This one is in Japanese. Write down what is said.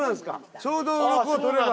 ・ちょうどウロコを取れば。